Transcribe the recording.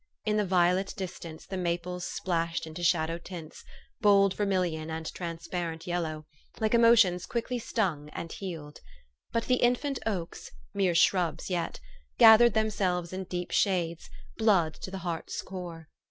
In the violet distance the maples splashed into shallow tints, bold vermilion and transparent yellow, like emotions quickly stung and healed. But the infant oaks, mere shrubs yet, gathered themselves in deep shades, blood to the heart's core.